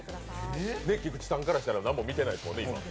菊池さんからしたら、何も見てないですもんね。